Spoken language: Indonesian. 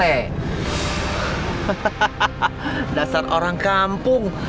hahaha dasar orang kampung